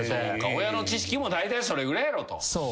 親の知識もだいたいそれぐらいやろと。